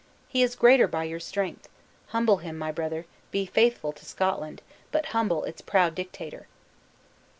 He is greater by your strength. Humble him, my brother; be faithful to Scotland, but humble its proud dictator!"